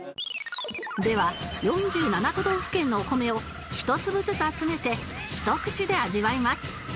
では４７都道府県のお米を一粒ずつ集めてひと口で味わいます